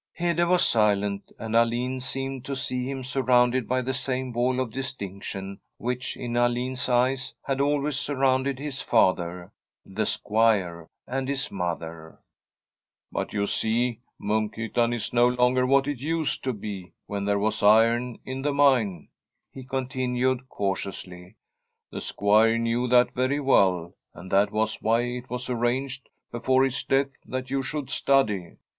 Hede was silent, and Alin seemed to see him surrounded by the same wall of distinction which in Alin's eyes had always surrounded his father, the Squire, and his mother. ' But, you see, Munkhyttan is no longer what it used to be when there was iron in the mine,' he continued cautiously. ' The Squire knew that very well, and that was why it was arranged be fore his death that you should study.